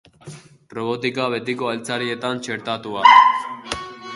Robotika betiko altzarietan txertatua.